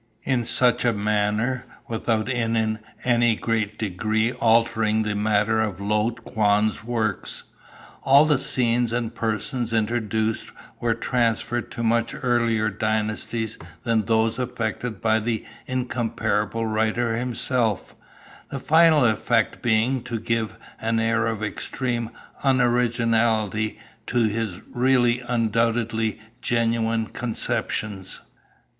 In such a manner, without in any great degree altering the matter of Lo Kuan's works, all the scenes and persons introduced were transferred to much earlier dynasties than those affected by the incomparable writer himself, the final effect being to give an air of extreme unoriginality to his really undoubtedly genuine conceptions.